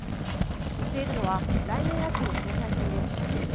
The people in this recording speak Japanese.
見据えるのは、来年秋の総裁選です。